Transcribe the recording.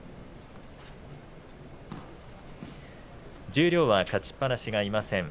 十両は勝ちっぱなしがいません。